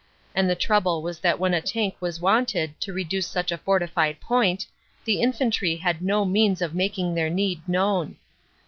And the trouble was that when a tank was wanted to reduce such a fortified point, the infantry had no means of making their need known.